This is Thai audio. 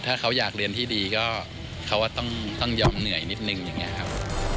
ถ้าเขาอยากเรียนที่ดีก็เขาก็ต้องยอมเหนื่อยนิดนึงอย่างนี้ครับ